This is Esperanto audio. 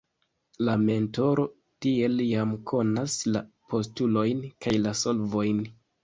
La mentoro tiel jam konas la postulojn kaj la solvojn.